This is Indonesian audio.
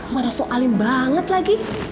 marah soalin banget lagi